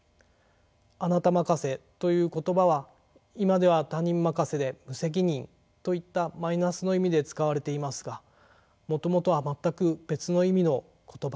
「あなた任せ」という言葉は今では他人任せで無責任といったマイナスの意味で使われていますがもともとは全く別の意味の言葉です。